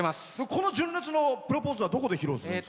純烈の「プロポーズ」はどこで披露するんですか？